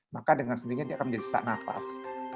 maka dengan sendirinya dia akan menjadi sesak nafas